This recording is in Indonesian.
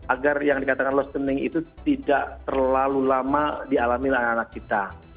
agar yang dikatakan lostening itu tidak terlalu lama dialami oleh anak anak kita